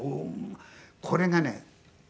これがね。